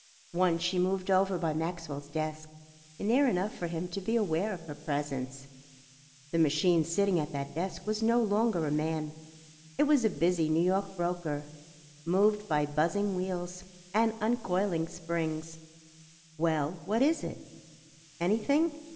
Once she moved over by Maxwell's desk, near enough for him to be aware of her presence. The machine sitting at that desk was no longer a man; it was a busy New York broker, moved by buzzing wheels and uncoiling springs. "Well—what is it? Anything?"